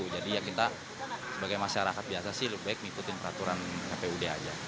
jadi ya kita sebagai masyarakat biasa sih lebih baik mengikuti peraturan kpu dki saja